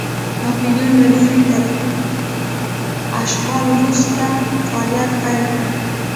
ناپلیون له لوري تر اشغال وروسته فعالیت پیل کړ.